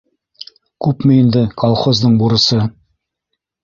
Күпме инде колхоздың бурысы?